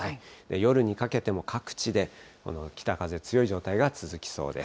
夜にかけても各地でこの北風、強い状態が続きそうです。